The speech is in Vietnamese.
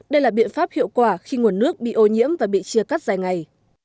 đây là biện pháp hiệu quả khi nguồn nước bị ô nhiễm và bị chia cắt dài ngày